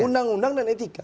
undang undang dan etika